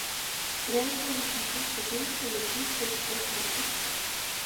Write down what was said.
Reibonis un slikta dūša liek justies pretīgi.